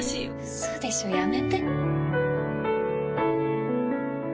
ウソでしょ？やめて。